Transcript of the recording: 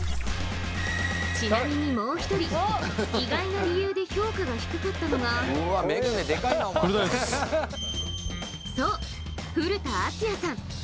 ちなみにもう一人、意外な理由で評価が低かったのがそう、古田敦也さん。